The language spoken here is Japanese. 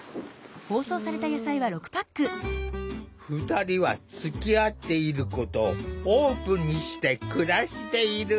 ２人はつきあっていることをオープンにして暮らしている。